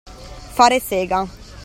Fare sega.